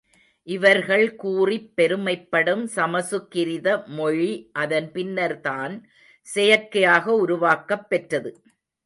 இவர்கள் கூறிப் பெருமைப்படும் சமசுக்கிருத மொழி அதன் பின்னர்தான் செயற்கையாக உருவாக்கப் பெற்றது.